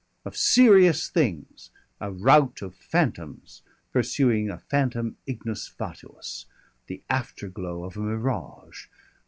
Of serious things! a rout of phantoms pursuing a phantom ignis fatuus the afterglow of a mirage.